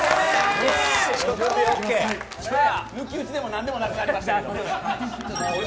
抜き打ちでも何でもなくなりました。